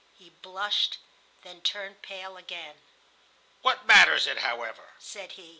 He blushed, then turned pale again. "What matters it, however?" said he.